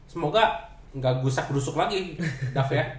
semoga dava gak gusak grusuk lagi dava ya